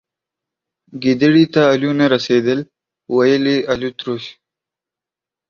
گيدړي ته الو نه رسيدل ، ويل يې الوتروش.